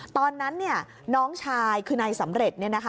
ตอนนั้นน้องชายคือนายสำเร็จ